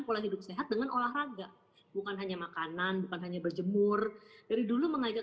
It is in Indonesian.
pola hidup sehat dengan olahraga bukan hanya makanan bukan hanya berjemur dari dulu mengajak